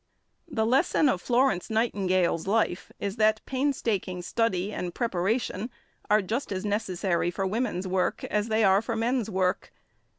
The lesson of Florence Nightingale's life is that painstaking study and preparation are just as necessary for women's work as they are for men's work.